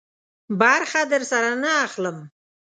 برخه درسره نه اخلم.